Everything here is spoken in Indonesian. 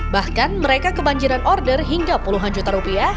bahkan mereka kebanjiran order hingga puluhan juta rupiah